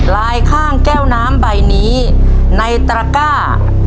ลายข้างแก้วน้ำใบนี้ในตระก้า